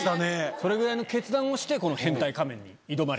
それぐらいの決断をしてこの『変態仮面』に挑まれてる。